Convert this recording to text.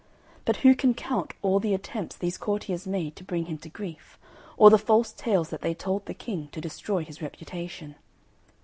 But who can count all the attempts these courtiers made to bring him to grief, or the false tales that they told to the King to destroy his reputation!